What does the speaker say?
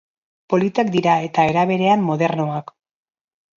Politak dira eta, era berean, modernoak.